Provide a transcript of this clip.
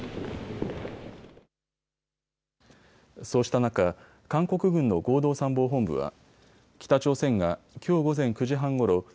そうした中、韓国軍の合同参謀本部は北朝鮮がきょう午前９時半ごろ